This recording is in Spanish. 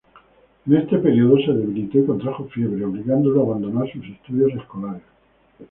En este periodo se debilitó y contrajo fiebre, obligándolo a abandonar sus estudios escolares.